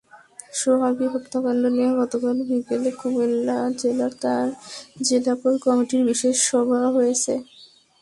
সোহাগী হত্যাকাণ্ড নিয়ে গতকাল বিকেলে কুমিল্লা জেলা কোর কমিটির বিশেষ সভা হয়েছে।